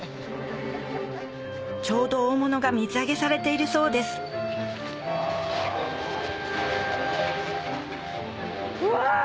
ちょうど大物が水揚げされているそうですうわ！